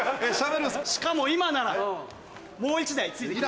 しかも今ならもう１台付いてきます。